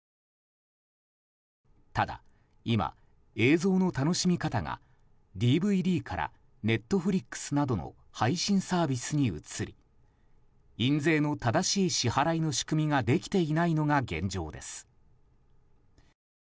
ただ、今、映像の楽しみ方がＤＶＤからＮｅｔｆｌｉｘなどの配信サービスに移り印税の正しい支払いの仕組みができていないのが現状です。